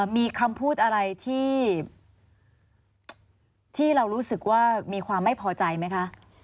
มีคำพูดอะไรที่เรารู้สึกว่ามีความไม่พอใจไหมคะ